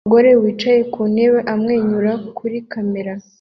Umugore wicaye ku ntebe amwenyura kuri kamera